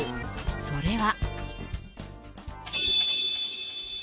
それは。